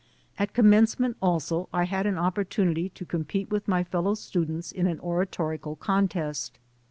At Commencement also I had an opportunity to compete with my fellow students in an oratorical contest.